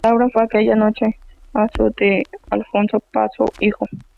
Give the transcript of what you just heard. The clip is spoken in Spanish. La obra fue "Aquella noche azul" de Alfonso Paso hijo.